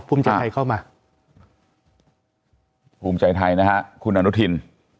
ภูมิใจไทยนะฮะคุณอนุทิน